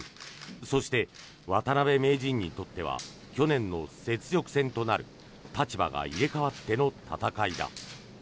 そして、渡辺名人にとっては去年の雪辱戦となる立場が入れ替わっての戦いだ。